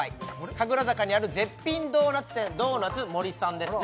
神楽坂にある絶品ドーナツ店ドーナツもりさんですね